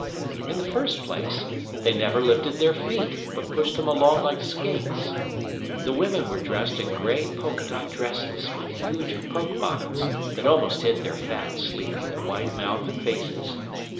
In the first place, they never lifted their feet, but pushed them along like skates. The women were dressed in gray polka dot dresses with huge poke bonnets that almost hid their fat, sleepy, wide mouthed faces.